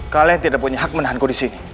kalian tidak punya hak menahan ku disini